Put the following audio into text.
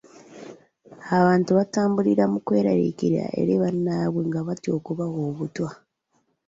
Abantu batambulira mu kweraliikirira eri bannaabwe nga batya okubawa obutwa.